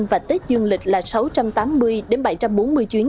và tết dương lịch là sáu trăm tám mươi bảy trăm bốn mươi chuyến